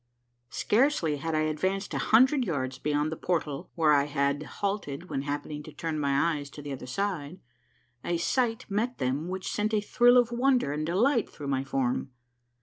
Scarcely had I advanced a hundred yards beyond the portal where I had lialted when happening to turn my eyes to the other side, a sight met them which sent a thrill of wonder and delight through my form.